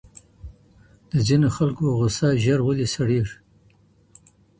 د ځيني خلکو غصه ژر ولي سړيږي؟